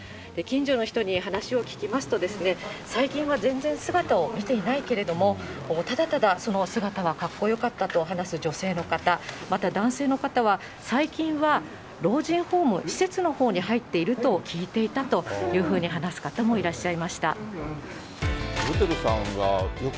近所の人に話を聞きますと、最近は全然姿を見ていないけれども、ただただその姿はかっこよかったと話す女性の方、また男性の方は、最近は老人ホーム、施設のほうに入っていると聞いていたというふうに話す方もいらっ